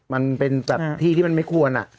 มันเป็นแบบที่ที่มันไม่ควร